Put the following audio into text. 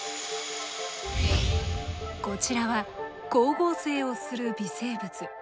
こちらは光合成をする微生物。